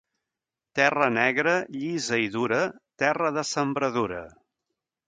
Terra negra, llisa i dura, terra de sembradura.